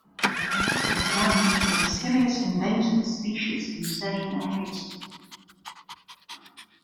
The plant is a serious invasive species in certain areas.